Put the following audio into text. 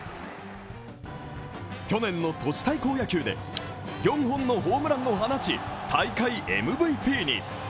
去年の都市対抗野球で４本のホームランを放ち、大会ＭＶＰに。